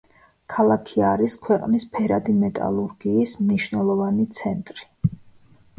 ქალაქი არის ქვეყნის ფერადი მეტალურგიის მნიშვნელოვანი ცენტრი.